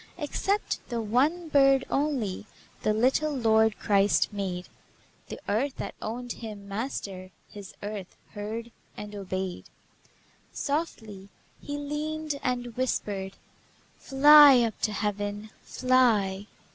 Except the one bird only The little Lord Christ made; The earth that owned Him Master, His earth heard and obeyed. Softly He leaned and whispered: "Fly up to Heaven! Fly!"